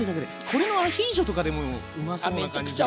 これもアヒージョとかでもうまそうな感じ。